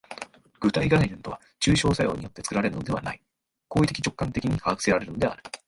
具体概念とは抽象作用によって作られるのではない、行為的直観的に把握せられるのである。